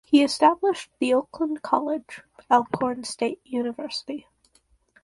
He established the Oakland College (Alcorn State University).